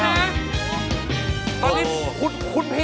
ย่าขายพับไพ่